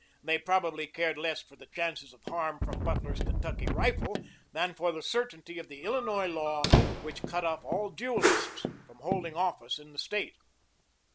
They probably cared less for the chances of harm from Butler's Kentucky rifle than for the certainty of the Illinois law which cut off all duelists from holding office in the State.